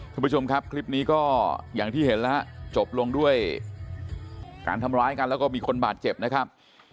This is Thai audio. คุณผู้ชมครับคลิปนี้ก็อย่างที่เห็นแล้วฮะจบลงด้วยการทำร้ายกันแล้วก็มีคนบาดเจ็บนะครับ